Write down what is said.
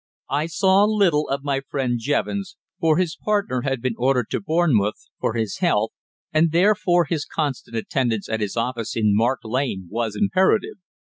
I saw little of my friend Jevons, for his partner had been ordered to Bournemouth for his health, and therefore his constant attendance at his office in Mark Lane was imperative.